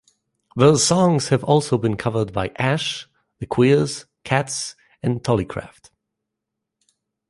Their songs have also been covered by Ash, The Queers, Katz and Tullycraft.